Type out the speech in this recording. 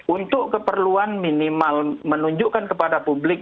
untuk keperluan minimal menunjukkan kepada publik